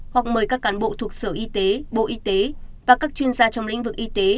hoặc mời các cán bộ thuộc sở y tế bộ y tế và các chuyên gia trong lĩnh vực y tế